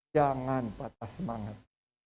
jangan patah semangat